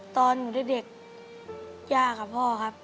ตอนหนูเด็กย่ากับพ่อครับ